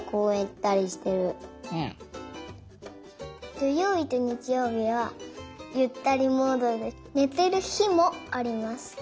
どようびとにちようびはゆったりモードでねてるひもあります。